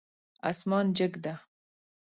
اسمان جګ ده